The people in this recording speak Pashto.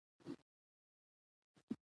هلته یې ناول دا زه پاګل وم ولیکه.